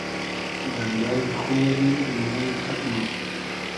دئریای خو وئری دونیای پئگ مۉ